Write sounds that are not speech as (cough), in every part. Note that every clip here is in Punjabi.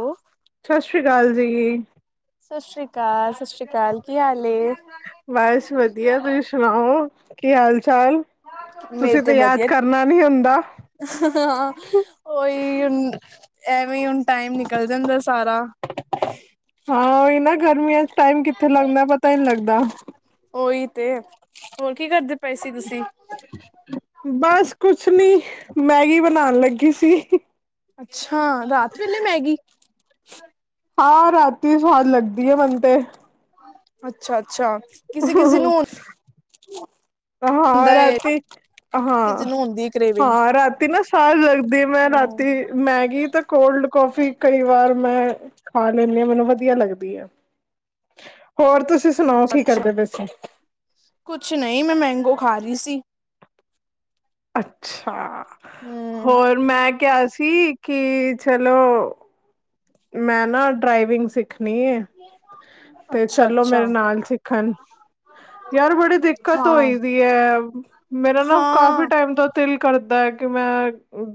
ਹੋ ਸਤਿ ਸ਼੍ਰੀ ਅਕਾਲ ਜੀ। ਸਤਿ ਸ਼੍ਰੀ ਅਕਾਲ ਸਤਿ ਸ਼੍ਰੀ ਅਕਾਲ ਕੀ ਹਾਲ‌ ਏ। ਬਸ ਵਧੀਆ ਤੁਸੀਂ ਸੁਣਾਓ ਕੀ ਹਾਲ ਚਾਲ ਮੇਰੇ ਤੁਸੀਂ ਤੇ ਯਾਦ ਵਧੀਆ ਕਰਨਾ ਨੀ ਹੁੰਦਾ। ਹਾਂ ਉਹੀ ਹੁਣ ਐਵੇਂ ਹੀ ਹੁਣ ਟਾਈਮ ਨਿਕਲ ਜਾਂਦਾ ਸਾਰਾ ਹਾਂ ਉਹੀ ਨਾ ਗਰਮੀਆਂ ਚ ਟਾਈਮ ਕਿਥ ਕਿੱਥੇ ਲੱਗਦਾ ਪਤਾ ਹੀ ਨਹੀਂ ਲੱਗਦਾ ਉਹੀ ਤੇ ਹੋਰ ਕੀ ਕਰਦੇ ਪਏ ਸੀ ਤੁਸੀਂ ਬਸ ਕੁਛ ਨੀ ਮੈਗੀ ਬਣਾਉਣ ਲੱਗੀ ਸੀ। ਅੱਛਾ ਰਾਤ ਵੇਲੇ ਮੈਗੀ। ਹਾਂ ਰਾਤੀ ਸਵਾਦ ਲੱਗਦੀ ਹੈ ਬਨ ਤੇ। ਅੱਛਾ ਅੱਛਾ। ਕਿਸੇ ਕਿਸੇ ਨੂੰ ਹਾਂ ਹੁੰਦਾ ਏ ਰਾਤੀ ਹਾਂ। ਕਿਸੇ ਨੂੰ ਹੁੰਦੀ ਕਰੇਵਿੰਗ ਹਾਂ ਰਾਤੀ ਨਾ ਸਾਲ ਲਗਦੀ ਮੈਂ ਹੂੰ, ਰਾਤੀ। ਮੈਗੀ ਤੇ ਕੋਲਡ ਕੌਫੀ ਕਈ ਵਾਰ ਮੈਂ ਖਾ ਲੈਂਦੀ ਹਾ ਮੈਨੂੰ ਵਧੀਆ ਲੱਗਦੀ ਹੈ। ਹੋਰ ਤੁਸੀਂ ਸੁਣਾਓ ਅੱਛਾ ਕੀ ਅੱਛਾ ਕਰਦੇ ਪਏ ਸੀ। ਕੁਛ ਨਹੀਂ ਮੈਂ ਮੈਂਗੋ ਖਾ ਰਹੀ ਸੀ। ਅੱਛਾ ਹਮ ਹੋਰ ਮੈਂ ਕਿਹਾ ਸੀ ਕਿ ਚਲੋ। ਮੈਂ ਨਾ ਡਰਾਈਵਿੰਗ ਸਿੱਖਣੀ ਐ। ਤੇ ਅੱਛਾ ਚਲੋ ਅੱਛਾ ਮੇਰੇ ਨਾਲ ਸਿੱਖਣ। ਯਾਰ ਬੜੀ ਦਿੱਕਤ ਹਾਂ ਹੋਈ ਦੀ ਹੈ, ਮੇਰਾ ਨਾ ਕਾਫ਼ੀ ਹਾਂ ਟਾਈਮ ਤੋਂ। ਦਿਲ ਕਰਦਾ ਹੈ ਕਿ ਮੈਂ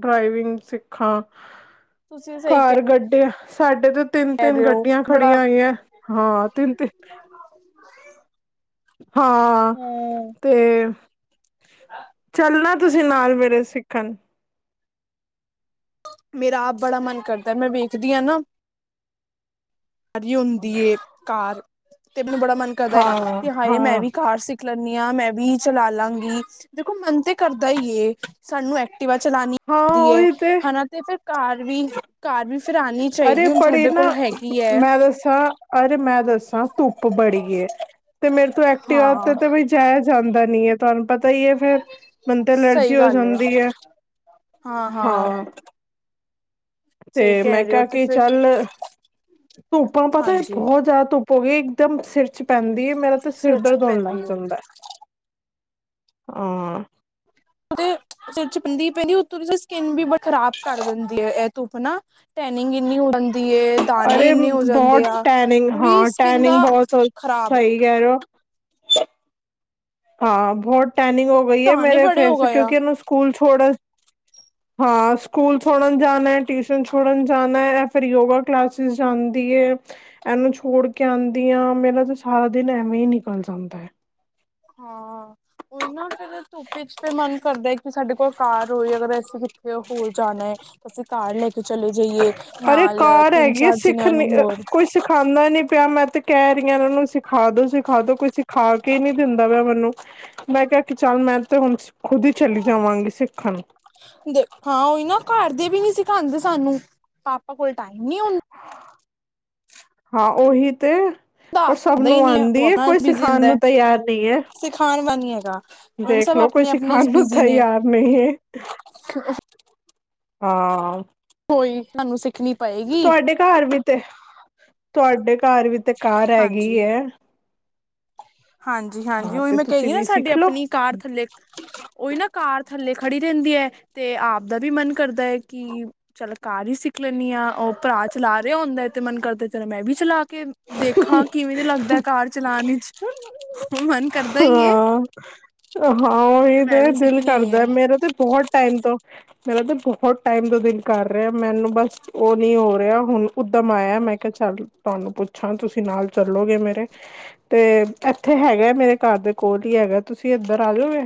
ਡਰਾਈਵਿੰਗ ਸਿੱਖਾਂ। ਤੁਸੀਂ ਸਹੀ ਕਾਰ ਗੱਡੇ ਸਾਡੇ ਤ ਤਿੰਨ ਕਹਿ ਤਿੰਨ ਰਹੇ ਹੋ ਗੱਡੀਆਂ ਬੜਾ ਖੜੀਆਂ ਆਈਆਂ ਹਾਂ ਤਿੰਨ ਤਿੰਨ (inaudible) ਹਾਂ ਹਮ ਤੇ ਚੱਲਣਾ ਤੁਸੀਂ ਨਾਲ ਮੇਰੇ ਸਿੱਖਣ (unintelligible) ਮੇਰਾ ਆਪ ਬੜਾ ਮਨ ਕਰਦਾ ਮੈਂ ਵੇਖਦੀ ਹਾਂ ਨਾ ਹੁੰਦੀ ਕਾਰ ਤੇ ਮੈਨੂੰ ਬੜਾ ਮਨ ਕਰਦਾ ਹੈ, ਵੀ ਹਾਂ ਮੈਂ ਵੀ ਕਾਰ ਸਿੱਖ ਸਿਖ ਲੈਂਦੀ ਹਾਂ, ਮੈਂ ਵੀ ਚਲਾ ਲਾਂਗੀ ਦੇਖੋ ਮਨ ਤੇ ਕਰਦਾ ਹੀ ਸਾਨੂੰ ਐਕ ਟੀਵਾ ਚਲਾਣੀ ਹਾਂ ਦੀ ਏ ਉਹੀ ਹਨਾ ਤੇ ਫਿਰ ਘਰ ਵੀ ਘਰ ਵੀ ਫਿਰ ਆਣੀ ਅਰੇ ਚਾਈਦੀ ਹੁਣ ਬੜੇ ਸਾਡੇ ਨਾ ਕੋਲ ਹੈ ਮੈਂ ਦੱਸਾਂ ਅਰੇ ਮੈਂ ਦੱਸਾਂ ਧੁੱਪ ਬੜੀ ਏ। ਤੇ ਮੇਰੇ ਤੋ ਐਕਟਿਵਾ ਹਾਂ ਤੇ-ਤੇ ਬਈ ਜਾਇਆ ਜਾਂਦਾ ਨੀ ਐ। ਤੁਹਾਨੂੰ ਪਤਾ ਈ ਐ ਫੇਰ ਮੈਨੂੰ ਤੇ ਅਲਰਜੀ ਸਹੀ ਹੋ ਗੱਲ ਹੈ ਜਾਂਦੀ ਐ ਹਾਂ। ਸਹੀ ਤੇ ਮੈਂ ਕਹਿ ਰਹੇ ਹੋ ਕਿਆ ਤੇ ਕੀ ਫਿਰ ਚੱਲ ਧੁੱਪਾਂ ਪਤੈ ਹਾਂਜੀ ਬੋਹਤ ਜਾਦਾ ਧੁੱ ਪ ਵੀ ਇੱਕਦਮ ਸਿਰ ਚ ਪੈਂਦੀਏ ਮੇਰਾ ਤੇ ਸਿਰ ਚ ਦਰਦ ਹੋਣ ਲੱਗ ਪੈਂਦੀ ਹੈ ਜਾਂਦੈ। ਆਂ। (unintelligible) ਉਤੋਂ ਦੀ ਸਕਿੰਨ ਵੀ ਬ ਖ਼ਰਾਬ ਕਰ ਦਿੰਦੀ ਐ ਧੁੱਪ ਨਾ। ਟੈਨਿੰਗ ਇੰਨੀ ਹੋ ਦੀਏ ਦਾਣੇੇ ਅਰੇ ਇੰਨੇ ਹੋ ਜਾਂਦੇ ਬਹੁਤ ਆ ਟੈਨਿੰਗ ਕੁੂਰੀ ਸਕਿੰਨ ਦਾ ਖ਼ਰਾਬ ਗਿਆਰੋ ਹਾਂ ਬੋਹ ਟੈਨਿੰਗ ਹੋ ਗਈ ਐ ਦਾਣੇ ਮੇਰੇ ਬੜੇ ਹੋ ਫੇਸ ਗਏ ਆ ਕਿਉਂਕਿ ਏਨੂੰ ਸਕੂਲ ਛੋੜ ਹਾਂ ਸਕੂਲ ਛੋੜਨ ਜਾਣਾ, ਟਿਊਸ਼ਨ ਛੋੜਨ ਜਾਣਾ ਐ ਫਿਰ ਯੋਗਾ ਕਲਾਸਿਸ ਜਾਂਦੀ ਏ ਏਨੂੰ ਛੋੜ ਕੇ ਆਂਦੀ ਆ ਮੇਰਾ ਤੇ ਸਾਰਾ ਦਿਨ ਐਵੇਂ ਈ ਨਿਕਲ ਜਾਂਦੈ। ਹਾਂ ਓਈ ਨਾ ਫੇਰ ਧੁੱਪ ਵਿਚ ਫੇਰ ਮਨ ਕਰਦਾ ਕੀ ਸਾਡੇ ਕੋਲ ਕਾਰ ਹੋਏ ਅਗਰ ਅਸੀਂ ਕਿਤੇ ਤੇ ਹੋਰ ਜਾਣਾ ਅਸੀਂ ਕਾਰ ਲੈ ਕੇ ਚਲੇ ਜਾਈਏ। ਅਰੇ ਨਾਲ ਕਾਰ ਤਿੰਨ ਹੈਗੀ ਆ ਚਾਰ ਸਿੱਖ ਜਣਿਆਂ ਨੂੰ ਨੀ ਹੋਰ ਕੋਈ ਸਿਖਾਂਦਾ ਨੀ ਪਿਆ ਮੈਂ ਤੇ ਕੈ ਰੀਆ ਓਨਾਂ ਨੂੰ ਸਿਖਾ ਦੋ ਸਿਖਾ ਦੋ ਕੋਈ ਸਿਖਾ ਕੇ ਈ ਨੀ ਦਿੰਦਾ ਪਿਆ ਮਨੂੰ ਮੈਂ ਕਿਆ ਕੀ ਚੱਲ ਮੈਂ ਤੇ ਹੁਣ ਖੁਦ ਈ ਚਲੀ ਜਾਵਾਂਗੀ ਸਿੱਖਣ। ਦ ਹਾਂ ਓਈ ਨਾ ਘਰ ਦੇ ਵੀ ਨੀ ਸਿਖਾਂਦੇ ਸਾਨੂੰ ਪਾਪਾ ਕੋਲ ਟਾਈਮ ਨੀ ਹੁੰ ਹਾਂ, ਓਹੀ ਤੇ। ਓਰ ਸਭ ਹੁੰਦਾ ਹੀ ਨੂੰ ਨੀ ਹੈ ਉਹ ਆਂਦੀ ਐ ਆਪਣਾ ਕੋਈ ਬਿਜੀ ਸਿਖਾਣ ਹੁੰਦਾ ਨੂੰ ਤਿਆਰ ਨੀ ਐ। ਸਿਖਾਣ ਵਾਲਾ ਨੀ ਹੈਗਾ ਹੁਣ ਦੇਖ ਸਭ ਲੋੋ ਕੋਈ ਆਪਣੇ-ਆਪਣੇ ਚ ਸਿਖਾਣ ਨੂੰ ਬਿਜ਼ੀ ਨੇ ਤਿਆਰ ਨਈ ਏ। (unintelligible) ਹਾਂ। (unintelligible) ਤੁਹਾਂਨੂੰ ਸਿੱਖਣੀ ਪਏਗੀ ਤੁਹਾਡੇ ਘਰ ਵੀ ਤੇ, ਤੁਹਾਡੇ ਘਰ ਵੀ ਤੇ ਕਾਰ ਹੈਗੀ ਐ। ਹਾਂਜੀ- ਹਾਂਜੀ, ਹਾਂ ਓਈ ਤੇ ਮੈਂ ਤੁਸੀਂ ਕਈ ਏ ਵੀ ਸਾਡੀ ਸਿੱਖ ਲਓ ਆਪਣੀ ਕਾਰ ਥੱਲੇ ਓਈ ਨਾ ਕਾਰ ਥੱਲੇ ਖੜੀ ਰੈਂਦੀ ਏ ਤੇ ਆਪ ਦਾ ਵੀ ਮਨ ਕਰਦਾ ਹੈ ਕੀ ਚੱਲ ਕਾਰ ਈ ਸਿੱਖ ਲੈਂਨੀ ਆ ਓ ਭਰਾ ਚਲਾ ਰਿਆ ਹੁੰਦੈ ਤੇ ਮਨ ਕਰਦਾ ਚਲੋ ਮੈਂ ਵੀ ਚਲਾ ਕੇ ਦੇਖਾਂ ਕਿਵੇਂ ਲੱਗਦੈ ਕਾਰ ਚਲਾਣੀ ਚ ਮਨ ਕਰਦਾ ਏ। ਹਾਂ ਹਾਂ ਓਹੀ ਮੈਂ ਤੇ ਵੀ ਦਿਲ ਸਿੱਖਣੀ ਐ ਕਰਦੈ ਮੇਰਾ ਤੇ ਬੋਹਤ ਟਾਈਮ ਤੋਂ। ਮੇਰਾ ਤੇ ਬੋਹ ਟਾਈਮ ਤੋਂ ਦਿਲ ਕਰ ਰਿਆ ਮੈਨੂੰ ਬਸ ਓ ਨੀ ਹੋ ਰਿਆ ਹੁਣ ਉਦਮ ਆਇਆ ਮੈਂ ਕਿਆ ਚੱਲ ਤੁਹਾਨੂੰ ਪੁੱ ਛਾਂ ਤੁਸੀਂ ਨਾਲ ਚੱਲੋਗੇ ਮੇਰੇ? ਤੇ ਐਥੇ ਹੈਗੈ ਮੇਰੇ ਘਰ ਦੇ ਕੋਲ ਈ ਹੈਗਾ ਤੁਸੀਂ ਇੱਧਰ ਆ ਜੋਗੇ?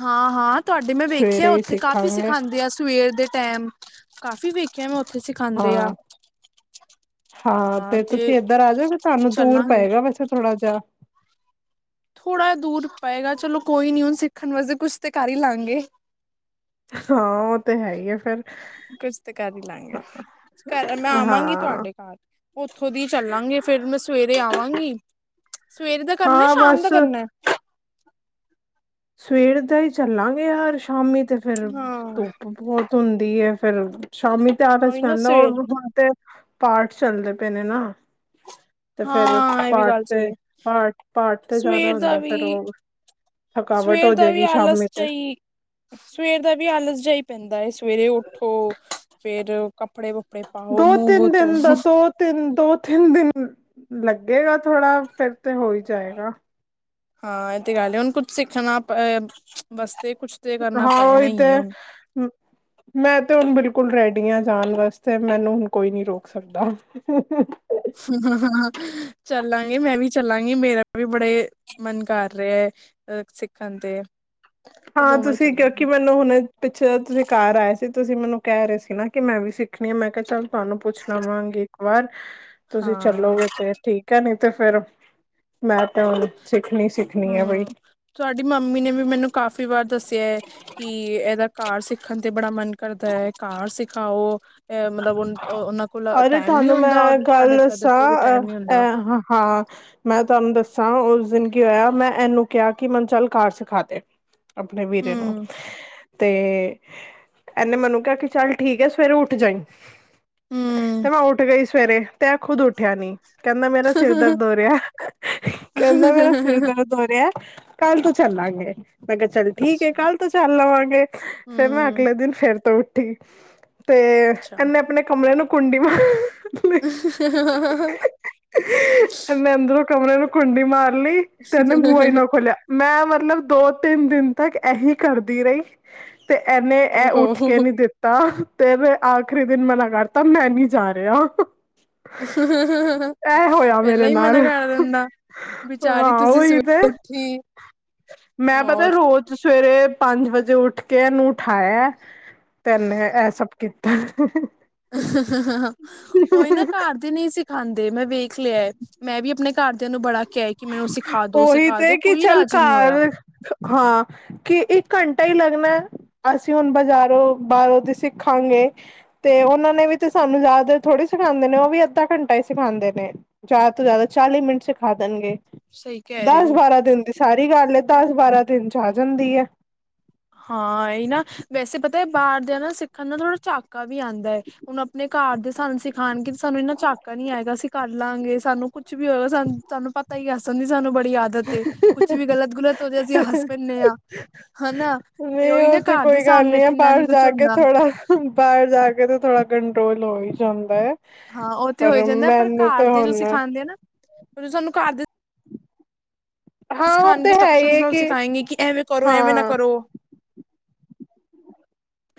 ਹਾਂ-ਹਾਂ ਤੁਹਾਡੇ ਮੈਂ ਵੇਖਿਆ ਸਵੇਰੇ ਹੀ ਓਥੇ ਕਾਫ਼ੀ ਸਿੱਖਾਂਗੇ ਸਿਖਾਂਦੇ ਆ ਸਵੇਰ ਦੇ ਟੈਮ। ਕਾਫ਼ੀ ਵੇਖਿਆ ਮੈਂ ਓਥੇ ਸਿਖਾਂਦੇ ਆ। ਹਾਂ ਹਾਂ ਤੇ ਤੁਸੀਂ ਏਧਰ ਆ ਜੋਗੇ? ਤੁਹਾਨੂੰ ਦੂਰ ਚੱਲਾਂਗੇ ਪਏਗਾ ਵੈਸੇ ਥੋੜ੍ਹਾ ਜਾ। ਥੋੜਾ ਦੂਰ ਪਏਗਾ ਚਲੋ ਕੋਈ ਨੀ ਹੁਣ ਸਿੱਖਣ ਵਾਸਤੇ ਕੁਛ ਤਾਂ ਕਰ ਈ ਲਾਂਗੇ। ਹਾਂ ਉਹ ਤੇ ਹੈ ਈ ਐ ਫੇਰ। ਕੁਛ ਤੇ ਕਰ ਈ ਲਾਂਗੇ ਘਰ ਮੈਂ ਆਵਾਂਗੀ ਹਾਂ ਤੁਹਾਡੇ ਕਾਰ। ਓਥੋਂ ਦੀ ਚੱਲਾਂਗੇ ਫੇਰ ਮੈਂ ਸਵੇਰੇ ਆਵਾਂਗੀ ਸਵੇਰ ਦਾ ਕਰਨੈ ਹਾਂ ਸ਼ਾਮ ਬਸ ਦਾ ਕਰਨੈ? ਸਵੇਰ ਦਾ ਈ ਚੱਲਾਂਗੇ ਯਾਰ ਸ਼ਾਮੀ ਤੇ ਫੇਰ ਹਾਂ ਧੁੱਪ ਬਹੁਤ ਹੁੰਦੀ ਏ ਫਿਰ, ਸ਼ਾਮੀ ਤਿਆਰ ਹਾਂ ਤਿਸ ਉਹੀ ਨਾ ਪੈਂਦਾ ਸਵੇਰ ਹੁਣ ਤੇ ਪਾਠ ਚੱਲਦੇ ਪਏ ਨੇ, ਨਾ। ਤੇ ਫਿਰ, ਹਾਂ ਇਹ ਵੀ ਪਾਠ ਗੱਲ ਸਹੀ ਤੇ, ਹੈ ਪਾਠ ਤੇ ਜਾਣਾ ਸਵੇਰ ਦਾ ਹੁੰਦਾ, ਵੀ ਫਿਰ ਉਹ ਥਕਾਵਟ ਸਵੇਰ ਦਾ ਵੀ ਹੋਜੇਗੀ, ਸ਼ਾਮੀ ਆਲਸ ਤੇ। ਜਾਈ ਸਵੇਰ ਦਾ ਵੀ ਆਲਸ ਜਿਹਾ ਪੈਂਦਾ ਏ, ਸਵੇਰੇ ਉਠੋ, ਫੇਰ ਕੱਪੜੇ ਕ ਪੜੇ ਪਾਓ, ਦੋ ਮੁੰਹ-ਮੋਹ ਤਿੰਨ ਦਿਨ ਦਾ ਤੋਂਵੋ। ਦੋ ਤਿੰਨ, ਦੋ-ਤਿੰਨ ਦਿਨ ਲੱਗੇਗਾ, ਥੋੜਾ ਫਿਰ ਤੇ ਹੋਈ ਜਾਏਗਾ। ਹਾਂ, ਇਹ ਤੇ ਗੱਲ ਏ, ਹੁਣ ਕੁਛ ਸਿੱਖਣਾ ਪ-ਵਾਸਤੇ ਕੁਛ ਤੇ ਕਰਨਾ ਹਾਂ ਪੈਣਾ ਉਹੀ ਈ ਏ, ਤੇ ਹੁਣ। ਮੈਂ ਤੇ ਹੁਣ ਬਿਲਕੁਲ ਰੈਡੀ ਆਂ ਜਾਣ ਵਾਸਤੇ, ਮੈਨੂੰ ਹੁਣ ਕੋਈ ਨੀ ਰੋਕ ਸਕਦਾ। ਹ (unintelligible) (unintelligible) ਚੱਲਾਂਗੇ, ਮੈਂ ਵੀ ਚੱਲਾਂਗੀ, ਮੇਰਾ ਵੀ ਬੜੇ ਮਨ ਕਰ ਰਿਹਾ ਏ। ਅ ਸਿੱਖਣ ਤੇ। ਆਪਾਂ ਹਾਂ ਦੋਵੇਂ ਹੀ ਤੁਸੀਂ, ਚੱਲਾਂਗੇ ਕਿਉਂਕਿ ਮੈਨੂੰ ਹੁਣ ਪਿੱਛੇ ਤੁਸੀਂ ਘਰ ਆਏ ਸੀ, ਤੁਸੀਂ ਮੈਨੂੰ ਕਹਿ ਰਹੇ ਸੀ ਨਾ ਕਿ ਮੈਂ ਵੀ ਸਿੱਖਣੀ ਏ, ਮੈਂ ਕਿਹਾ ਚੱਲ ਤੁਹਾਨੂੰ ਪੁੱਛ ਲਵਾਂਗੀ ਇੱਕ ਵਾਰ, ਤੁਸੀਂ ਹਾਂ ਚੱਲੋਗੇ ਫੇਰ, ਠੀਕ ਹੈ ਨੀ ਤੇ ਫੇਰ ਮੈਂ ਤੇ ਓ, ਹੋਣ ਸਿੱਖਣੀ-ਸਿੱਖਣੀ ਏ ਬਈ। ਹਮ ਤੁਹਾਡੀ ਮੰਮੀ ਨੇ ਵੀ, ਮੈਨੂੰ ਕਾਫ਼ੀ ਵਾਰ ਦੱਸਿਆ ਏ ਕੀ, ਇਹਦਾ ਕਾਰ ਸਿੱਖਣ ਤੇ ਬੜਾ ਮਨ ਕਰਦਾ ਏ, ਕਾਰ ਸਿਖਾਓ। ਇਹ ਮਤਲਬ ਓਨ, ਉਹਨਾਂ ਕੋਲ ਅਰੇ ਟਾਈਮ ਨੀ ਤੁਹਾਨੂੰ ਹੁੰਦਾ, ਔਰ ਮੈਂ ਤੁਆਡੇ ਗੱਲ ਬ੍ਰਦਰ ਦੱਸਾਂ ਤੋਂ ਵੀ ਟਾਈਮ ਨਹੀਂ ਅ ਹੁੰਦਾ। ਹਾਂ ਮੈਂ ਤੁਹਾਨੂੰ ਦੱਸਾਂ, ਉਸ ਦਿਨ ਕੀ ਹੋਇਆ? ਮੈਂ ਇਹਨੂੰ ਕਿਹਾ ਕਿ, ਮਨ ਚਲ ਕਾਰ ਸਿਖਾ ਦੇ। ਅਪਨੇ ਵੀਰੇ ਨੂੰ। ਹਮ ਤੇ, ਐਨੇ ਮਨੂੰ ਕਿਹਾ ਕਿ, ਚੱਲ ਠੀਕ ਹੈ ਸਵੇਰੇ ਉੱਠ ਜਾਈ। ਹਮ ਤੇ ਮੈਂ ਉੱਠ ਗਈ ਸਵੇਰੇ। ਤੇ ਐਂ ਖੁਦ ਉੱਠਿਆ ਨੀ, ਕਹਿੰਦਾ ਮੇਰਾ ਸਿਰ ਦਰਦ ਹੋੋਰਿਆ, ਕਹਿੰਦਾ ਮੇਰਾ ਸਿਰ ਦਰਦ ਹੋ ਰਿਐ, ਕੱਲ ਤੋਂ ਚੱਲਾਂਗੇ। ਮੈਂ ਕਿਹਾ ਚੱਲ ਠੀਕ ਏ, ਅੱਛਾ ਕੱਲ ਤੋਂ ਚੱਲ ਲਵਾਂਗੇ ਫਿਰ ਮੈਂ ਹਮ ਅਗਲੇ ਦਿਨ ਫੇਰ ਤੋਂ ਉੱਠੀ। ਤੇ, ਅੱਛਾ। ਐਨੇ ਅਪਨੇ ਕਮਰੇ ਨੂੰ ਕੁੰਡੀ ਮਾ ਹ ਮੈਂ ਅੰਦਰੋਂ ਕਮਰੇ ਨੂੰ ਕੁੰਡੀ ਮਾਰ ਲਈ, ਕਹਿੰਦਾ ਬੂਆਈ ਹ ਨਾ ਖੋਲਿਆ। ਮੈਂ ਮਤਲਬ ਦੋ-ਤਿੰਨ ਦਿਨ ਤੱਕ, ਐਹੀ ਕਰਦੀ ਰਹੀ ਤੇ ਐਨੇ, ਐ ਉੱਠਕੇ ਓਹੋ ਨੀ ਦਿੱਤਾ, ਤੇ ਫਿਰ ਆਖਰੀ ਦਿਨ ਮਨਾ ਕਰਤਾ, ਮੈਂ ਨੀ ਜਾ ਰਿਹਾ। ਇਹ ਹੋਇਆ ਪਹਿਲਾਂ ਮੇਰੇ ਈ ਨਾਲ ਮਨਾ ਕਰ ਦਿੰਦਾ। ਬਿਚਾਰੀ ਹਾਂ ਤੁਸੀਂ ਉਹੀ ਤੇ ਸਵੇਰੇ ਉਠੀ ਮੈਂ ਪਤਾ ਰੋਜ਼ ਤੇ ਸਵੇਰੇ, ਪੰਜ ਵਜੇ ਉੱਠਕੇ ਇਹਨੂੰ ਉਠਾਇਆ, ਤੇ ਐਨੇ ਇਹ ਸਭ ਕੀਤਾ। ਹਂ ਉਈ ਨਾ, ਘਰ ਦੇ ਨਹੀਂ ਸਿਖਾਂਦੇ ਮੈਂ ਵੇਖ ਲਿਆ, ਮੈਂ ਵੀ ਅਪਣੇ ਘਰਦਿਆਂ ਨੂੰ ਬੜਾ ਕਿਹਾ ਏ, ਕਿ ਮੈਨੂੰ ਸਿਖਾਦੋ, ਉਹੀ ਤੇ ਸਿਖਾਦੋ ਕਿ ਕੋਈ ਚੱਲ ਰਾਜੀ ਨਹੀਂ ਹੋਇਆ। ਘਰ ਹਾਂ ਕਿ ਇੱਕ ਘੰਟਾ ਹੀ ਲੱਗਣੈ, ਅਸੀਂ ਹੁਣ ਬਜ਼ਾਰੋਂ, ਬਾਹਰੋਂ ਤੇ ਸਿੱਖਾਂਗੇ। ਤੇ ਉਹਨਾਂ ਨੇ ਵੀ ਤੇ ਸਾਨੂੰ ਜ਼ਿਆਦਾ ਦੇਰ ਥੋੜੀ ਸਿਖਾਂਦੇ ਨੇ, ਉਹ ਵੀ ਅੱਧਾ ਘੰਟਾ ਹੀ ਸਿਖਾਂਦੇ ਨੇ। ਜ਼ਿਆਦਾ ਤੋਂ ਜ਼ਿਆਦਾ ਚਾਲੀ ਮਿੰਟ ਸਿਖਾ ਦੇਣਗੇ, ਸਹੀ ਕਹਿ ਰਹੇ ਹੋ। ਦਸ-ਬਾਰਾਂ ਦਿਨ ਦੀ ਸਾਰੀ ਗੱਲ ਐ, ਦਸ-ਬਾਰਾਂ ਦਿਨ'ਚ ਆ ਜਾਂਦੀ ਏ। ਹਾਂ, ਐਈ ਨਾ, ਵੈਸੇ ਪਤਾ ਹੈ ਬਾਹਰਦਿਆਂ ਨਾ ਸਿੱਖਣ ਦਾ ਥੋੜਾ ਝਾਕਾ ਵੀ ਆਂਦਾ ਐ‌। ਹੁਣ ਆਪਣੇ ਘਰ ਦੇ ਸਾਨੂੰ ਸਿਖਾਣਗੇ ਸਾਨੂੰ ਇੰਨਾ ਚਾਕਾ ਨੀ ਆਏਗਾ ਅਸੀਂ ਕਰ ਲਾਂਗੇ, ਸਾਨੂੰ ਕੁਛ ਵੀ ਹੋਏਗਾ ਸਾਨ ਤੁਹਾਨੂੰ ਪਤਾ ਹੀ ਆੱਸਣ ਦੀ ਸਾਨੂੰ ਬੜੀ ਆਦਤ ਏ, ਕੁੱਛ ਵੀ ਗਲਤ ਗੁਲਤ ਹੋ ਜੇ ਅਸੀਂ ਹਸ ਪੈਣੇ ਆ। ਹਨਾ। ਨਹੀਂ ਉਹ ਤੇ ਕੋਈ ਗੱਲ ਸਾਹਮਣੇ ਨਹੀਂ ਤੇ ਐ, ਇੰਨਾ ਬਾਹਰ ਨੀ ਕੁਛ ਜਾ ਕੇ ਹੁੰਦਾ ਥੋੜਾ ਬਾਰ ਜਾ ਕੇ ਤੇ ਥੋੜਾ ਕੰਟਰੋਲ ਹੋ ਹੀ ਜਾਂਦਾ ਐ। ਹਾਂ, ਉਹ ਤੇ ਹੋਈ ਜਾਂਦਾ ਪਰ ਘਰ ਦੇ ਜੋ ਹੁਣ ਸੀਂਖਾਂਦੇ ਆ ਨਾ ਸਾਨੂੰ ਘਰ ਦੇ ਹਾਂ ਉਹ ਸਿੱਖਾਨਗੇ ਤੇ ਹੈ ਹੀ ਇੰਸਟਰ੍ਰਕਸ਼ਨ ਹੈ ਨਾਲ ਕਿ ਸਿਖਾਏਂਗੇ ਕਿ ਐਵੇਂ ਕਰੋ ਐਵੇਂ ਨਾ ਹਾਂ ਕਰੋ।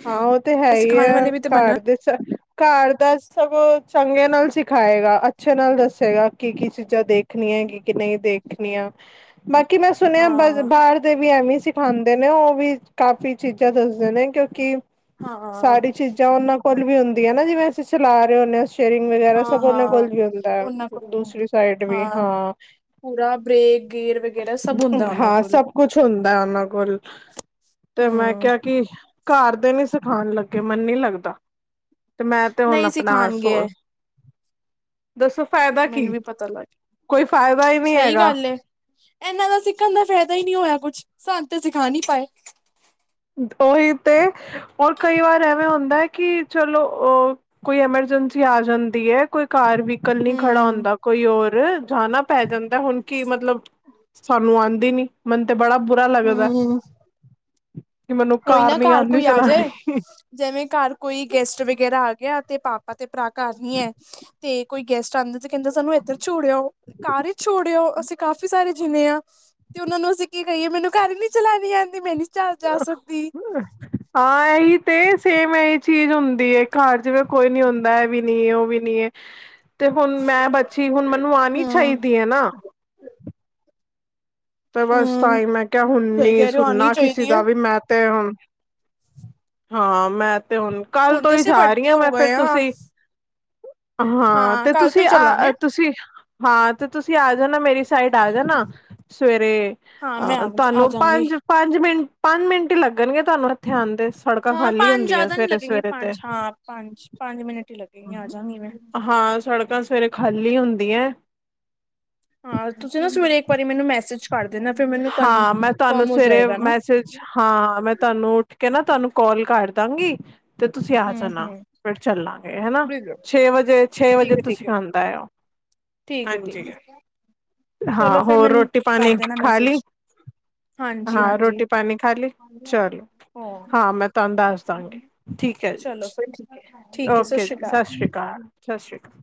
ਹਾਂ ਉਹ ਤੇ ਹੈ ਹੀ ਐ ਸਿਖਾਉਣ ਵਾਲੇ ਵੀ ਤੇ ਬਣਨ ਘਰ ਦੇ ਕਾਰ ਦਾ ਸਗੋ ਚੰਗੇ ਨਾਲ ਸਿਖਾਏਗਾ ਅੱਛੇ ਨਾਲ ਦੱਸੇਗਾ ਕੀ ਕੀ ਚੀਜ਼ਾਂ ਦੇਖ ਦੇਖਣੀ ਹੈਗੀ ਕਿ ਨਹੀਂ ਦੇਖਣੀਆਂ ਬਾਕੀ ਮੈਂ ਸੁਣਿਆ ਬ ਹਾਂ ਬਾਰ ਵੀ ਐਵੇਂ ਸਿਖਾਂਦੇ ਨੇ ਉਹ ਵੀ ਕਾਫੀ ਚੀਜ਼ਾਂ ਦੱਸਦੇ ਨੇ ਕਿਉਂਕਿ ਹਾਂ ਸਾਰੀ ਹਾਂ ਚੀਜ਼ਾਂ ਉਹਨਾਂ ਕੋਲ ਵੀ ਹੁੰਦੀਆਂ ਨਾ ਜਿਵੇਂ ਅਸੀਂ ਚਲਾ ਰਹੇ ਹੁੰਦੇ ਆਂ। ਸਟੇਰਿੰਗ ਵਗੈਰਾ ਸਭ ਉਹਨੇ ਹਾਂ ਕੋਲ ਵੀ ਹੁੰਦਾ, ਉਹਨਾਂ ਕੋਲ ਦੂਸਰੀ ਹੁੰਦੀ ਸਾਈਡ ਵੀ ਹਾਂ। ਪੂਰਾ ਬ੍ਰੇਕ ਗੇਅਰ ਵਗੈਰਾ ਸਭ ਹੁੰਦਾ ਉਹਨਾਂ ਹਾਂ, ਕੋਲ। ਸਭ ਕੁਛ ਹੁੰਦਾ ਉਹਨਾਂ ਕੋਲ। ਤੇ ਮੈਂ ਹੂੰ। ਕਿਹਾ ਕਿ ਕਰ ਦੇ ਨੀ ਸਿਖਾਣ ਲੱਗੇ ਮੈਨੂੰ ਨੀ ਲੱਗਦਾ। ਤੇ ਮੈਂ ਤੇ ਹੁਣ ਨਹੀਂ ਆਪਣਾ ਸ ਸਿਖਾਣਗੇ ਐ ਦੱਸੋ ਫਾਇਦਾ ਮੈਨੂੰ ਕੀ? ਵੀ ਪਤਾ ਲੱਗ ਕੋਈ ਫਾਇਦਾ ਹੀ ਨਹੀਂ ਸਹੀ ਹੈਗਾ। ਗੱਲ ਏ ਇਹਨਾਂ ਦਾ ਸਿੱਖਣ ਦਾ ਫਾਇਦਾ ਹੀ ਨਹੀਂ ਹੋਇਆ ਕੁਛ, ਸਾਨੂੰ ਤਾਂ ਸਿਖਾ ਨਹੀਂ ਪਾਏ। ਉਹੀ ਤੇ, ਔਰ ਕਈ ਵਾਰ ਐਵੇਂ ਹੁੰਦਾ ਐ ਕਿ ਚਲੋ ਊ ਕੋਈ ਐਮਰਜੈਂਸੀ ਆ ਜਾਂਦੀ ਐ ਕੋਈ ਕਾਰ ਵਹੀਕਲ ਨਹੀਂ ਖੜਾ ਹੂੰ ਹੁੰਦਾ ਕੋਈ ਹੋਰ। ਜਾਣਾ ਪੈ ਜਾਂਦਾ ਹੁਣ ਕੀ ਮਤਲਬ ਸਾਨੂੰ ਆਂਦੀ ਨੀ ਮਿਨ ਤੇ ਬੜਾ ਪਤਾ ਲੱਗਦਾ। ਕਿ ਮੈਨੂੰ ਕੋਈ ਨਾ ਨੀ ਕਾਰ ਆਂਦੀ ਕੋਈ ਆ ਜਾਏ ਚਲਾਣੀ। ਜਿਵੇਂ ਕਾਰ ਕੋਈ ਗੈਸਟ ਵਗੈਰਾ ਆ ਗਿਆ ਤੇ ਪਾਪਾ ਤੇ ਪਰਾ ਕਾਰ ਨੀ ਐ। ਤੇ ਕੋਈ ਗੈਸਟ ਆਂਦੇ ਤੇ ਕਹਿੰਦੇ ਸਾਨੂੰ ਇਥੇ ਛੋੜੇ ਆਓ। ਕਾਰ ਚ ਛੋੜੇ ਆਓ, ਅਸੀਂ ਕਾਫੀ ਸਾਰੇ ਜਿੰਨੇ ਆਂ। ਤੇ ਉਹਨਾ ਨੂੰ ਅਸੀਂ ਕੀ ਕਹੀਏ, ਮੈਨੂੰ ਕਾਰ ਨੀ ਚਲਾਣੀ ਆਂਦੀ ਮੈਂ ਨੀ ਚ ਜਾ ਸਕਦੀ। ਹਾਂ ਇਹੀ ਤੇ। ਸੇਮ ਇਹ ਚੀਜ਼ ਹੁੰਦੀ ਐ, ਕਾਰ ਜਿਵੇ ਕੋਈ ਨੀ ਹੁੰਦਾ ਇਹ ਵੀ ਨੀ ਉਹ ਵੀ ਨੀ ਐ। ਤੇ ਹੁਣ ਮੈਂ ਬਚੀ ਹੁਣ ਮੈਨੂੰ ਆਂਣੀ ਹੂੰ। ਚਾਹੀਦੀ ਐ ਨਾ। ਤੇ ਬਸ ਤ ਹੂੰ। ਹੀ ਮੈਂ ਕਹਿਆ ਸਹੀ ਹੁੰਨੀ ਕਹਿ ਰਹੇ ਹੋ ਆਉਣੀ ਸੁਣਨਾ ਕਿਸੇ ਚਾਹੀਦੀ ਹੈ ਦਾ ਵੀ ਮੈਂ ਤੇ ਹੁਣ ਹਾਂ ਮੈਂ ਤੇ ਹੁਣ ਕੱਲ ਤੋਂ ਤੇ ਹੀ ਅਸੀਂ ਜਾ ਰਹੀ ਵੱਡੇ ਹਾਂ ਮੈਂ ਹੋ ਫੇਰ, ਗਏ ਹਾਂ ਤੁਸੀਂ ਹਾਂ ਤੇ ਕੱਲ ਤੋਂ ਤੁਸੀਂ ਆ ਚੱਲਾਂਗੇ ਤੁਸੀਂ ਹਾਂ ਤੇ ਤੁਸੀਂ ਆ ਜਾਣਾ ਮੇਰੀ ਸਾਈਡ ਆ ਜਾਣਾ। ਸਵੇਰੇ ਹਾਂ ਮੈਂ ਅਹ ਆ ਆ ਤੁਹਾਨੂੰ ਜਾਂਗੀ ਪੰਜ-ਪੰਜ ਪੰਜ ਮਿੰਟ ਪੰਜ ਮਿੰਟ ਹੀ ਲੱਗਣਗੇ ਤੁਹਾਨੂੰ ਇੱਥੇ ਆਂਦੇ। ਹਾਂ ਪੰਜ ਜ਼ਿਆਦਾ ਨਹੀਂ ਲਗੇਗੇ ਪੰਜ ਹਾਂ ਪੰਜ, ਪੰਜ ਮਿੰਟ ਹੀ ਲਗੇਗੇ ਆ ਜਾਂਗੀ ਮੈਂ। ਹਾਂ ਸੜਕਾਂ ਸਵੇਰੇ ਖਾਲੀ ਹੁੰਦੀਆਂ। ਹਾਂ, ਤੁਸੀਂ ਨਾ ਸਵੇਰੇ ਇੱਕ ਵਾਰੀ ਮੈਨੂੰ ਮੈਸੇਜ ਕਰ ਦੇਣਾ ਫਿਰ ਮੈਨੂੰ ਹਾਂ ਮੈਂ ਤੁਹਾਨੂੰ ਕਨਫਰਮ ਹੋ ਸਵੇਰੇ ਜਾਏਗਾ ਨਾ। ਹਾਂ, ਮੈਂ ਤੁਹਾਨੂੰ ਉੱਠ ਕੇ ਨਾ ਤੁਹਾਨੂੰ ਕਾਲ ਕਰ ਦਾਂਗੀ। ਤੇ ਤੁਸੀਂ ਆ ਹਮ ਜਾਣਾ ਹਮ ਫਿਰ ਚੱਲਾਂਗੇ ਹਨਾ ਠੀਕ ਹੈ ਛੇ ਵਜੇ, ਛੇ ਵਜੇ ਠੀਕ ਹੈ ਤੁਸੀਂ (unintelligible) ਠੀਕ ਐ, ਠੀਕ ਹਾਂਜੀ ਐ, ਚਲੋ ਹਾਂ ਫੇਰ ਹੋਰ ਮੈਨੂੰ ਰੋਟੀ ਕਰ ਪਾਣੀ ਦੇਣਾ ਖਾ ਲਈ ਮੈਸੇਜ। ਹਾਂਜੀ ਹਾਂ ਹਾਂਜੀ ਰੋਟੀ ਪਾਣੀ ਖਾ ਲੀ, ਚਲੋ ਹੋ ਹਾਂ ਮੈਂ ਤੁਹਾਨੂੰ ਦੱਸ ਦਾਂਗੀ। ਠੀਕ ਐ ਜੀ, ਚਲੋ ਫਿਰ ਠੀਕ ਹੈ ਠੀਕ ਹੈ ਓਕੇ ਸ਼੍ਰੀ ਜੀ ਅਕਾਲ ਸਤਿ ਸ਼੍ਰੀ ਅਕਾਲ, ਸਤਿ ਸ਼੍ਰੀ ਅਕਾਲ।